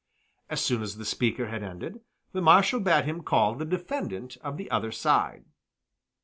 As soon as the speaker had ended, the Marshal bade him call the defendant of the other side.